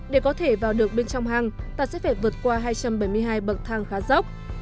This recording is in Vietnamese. để có thể vào được bên trong hang ta sẽ phải vượt qua hai trăm bảy mươi hai bậc thang khá dốc